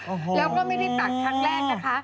แล้วก็ไม่ได้ตัดครั้งแรกนะคะ